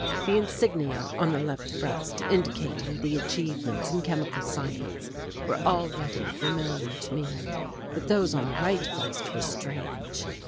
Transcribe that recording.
The insignia on the left breast indicating the achievements in chemical science were already familiar to me, but those on the right breast were strange.